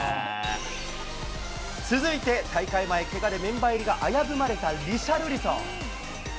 続いて大会前、けがでメンバー入りが危ぶまれたリシャルリソン。